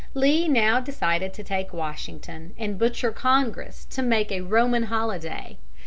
Lee now decided to take Washington and butcher Congress to make a Roman holiday.